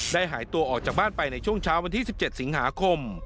หายตัวออกจากบ้านไปในช่วงเช้าวันที่๑๗สิงหาคม